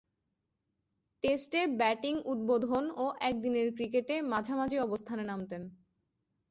টেস্টে ব্যাটিং উদ্বোধন ও একদিনের ক্রিকেটে মাঝামাঝি অবস্থানে নামতেন।